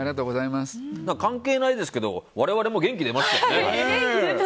関係ないですけど我々も元気出ましたね。